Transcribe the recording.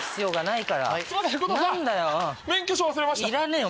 いらねえよ